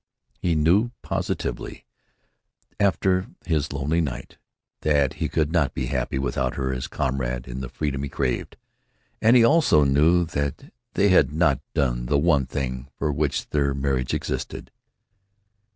He knew positively, after his lonely night, that he could not be happy without her as comrade in the freedom he craved. And he also knew that they had not done the one thing for which their marriage existed.